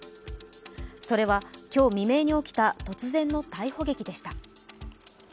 それは、今日未明に起きた突然の逮捕劇でした。